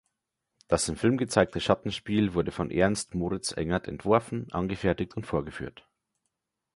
Das im Film gezeigte Schattenspiel wurde von Ernst Moritz Engert entworfen, angefertigt und vorgeführt.